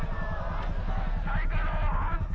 再稼働反対！